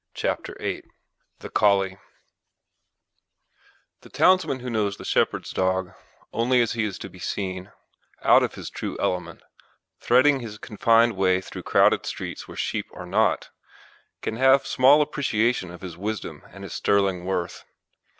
CHAPTER VIII THE COLLIE The townsman who knows the shepherd's dog only as he is to be seen, out of his true element, threading his confined way through crowded streets where sheep are not, can have small appreciation of his wisdom and his sterling worth.